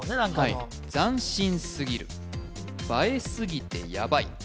はい「斬新すぎる」「映えすぎてやばい」